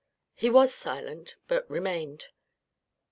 He was silent, but remained.